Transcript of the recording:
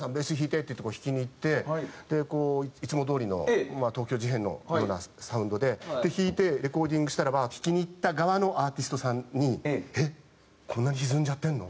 でこういつもどおりの東京事変のようなサウンドで弾いてレコーディングしたらば弾きに行った側のアーティストさんに「えっこんな歪んじゃってるの？」。